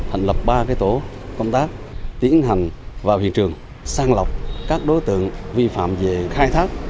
thành lập ba tổ công tác tiến hành vào hiện trường sang lọc các đối tượng vi phạm về khai thác